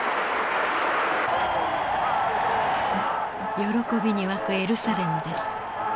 喜びに沸くエルサレムです。